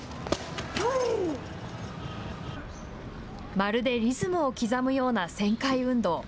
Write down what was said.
まるでリズムを刻むような旋回運動。